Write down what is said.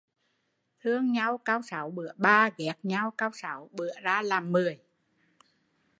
Thương nhau cau sáu bửa ba, ghét nhau cau sáu bửa ra làm mười